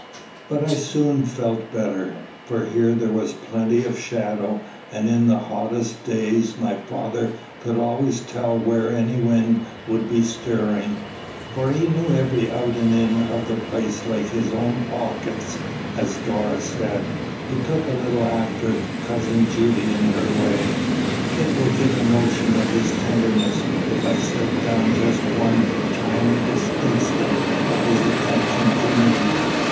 But I soon felt better: for here there was plenty of shadow, and in the hottest days my father could always tell where any wind would be stirring; for he knew every out and in of the place like his own pockets, as Dora said, who took a little after cousin Judy in her way. It will give a notion of his tenderness if I set down just one tiniest instance of his attention to me.